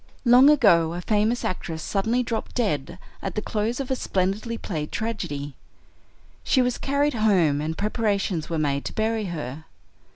"Long ago a famous actress suddenly dropped dead at the close of a splendidly played tragedy. She was carried home, and preparations were made to bury her.